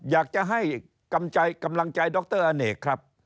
อยากจะให้กำลังใจดรอเนกครับ